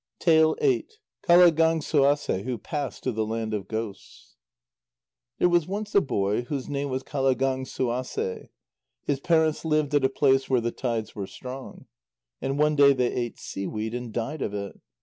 QALAGÁNGUASÊ, WHO PASSED TO THE LAND OF GHOSTS There was once a boy whose name was Qalagánguasê; his parents lived at a place where the tides were strong. And one day they ate seaweed, and died of it.